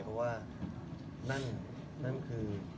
เพราะว่านั่นคือ